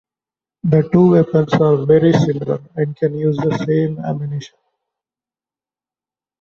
The two weapons are very similar and can use the same ammunition.